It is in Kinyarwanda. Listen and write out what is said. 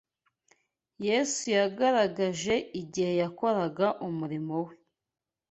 Yesu yagaragaje igihe yakoraga umurimo we